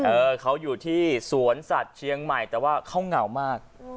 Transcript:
เออเขาอยู่ที่สวนสัตว์เชียงใหม่แต่ว่าเขาเหงามาก